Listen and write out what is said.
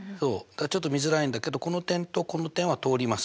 ちょっと見づらいんだけどこの点とこの点は通ります。